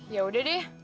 ya udah deh